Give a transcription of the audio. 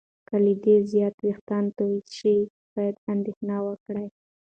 که له دې زیات وېښتان تویې شي، باید اندېښنه وکړې.